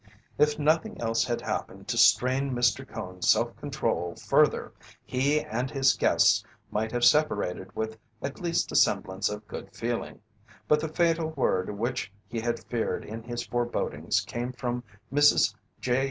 If nothing else had happened to strain Mr. Cone's self control further, he and his guests might have separated with at least a semblance of good feeling, but the fatal word which he had feared in his forebodings came from Mrs. J.